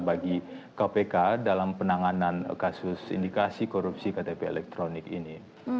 bagi kpk dalam penanganan kasus indikasi korupsi ktp elektronik ini